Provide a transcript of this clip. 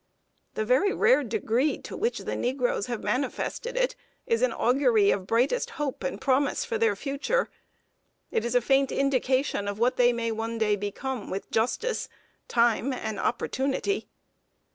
The very rare degree to which the negroes have manifested it, is an augury of brightest hope and promise for their future. It is a faint indication of what they may one day become, with Justice, Time, and Opportunity.